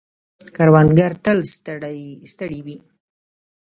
کروندگر تل ستړي وي.